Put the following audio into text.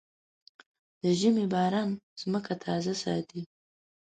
د ژمي باران ځمکه تازه ساتي.